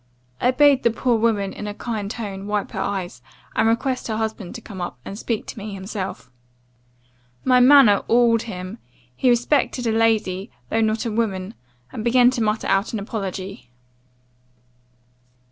I bade the poor woman, in a kind tone, wipe her eyes, and request her husband to come up, and speak to me himself. "My manner awed him. He respected a lady, though not a woman; and began to mutter out an apology.